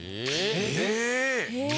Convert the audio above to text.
え！